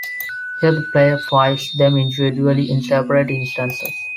Here the player fights them individually in separate instances.